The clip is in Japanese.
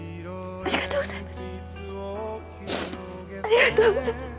ありがとうございます。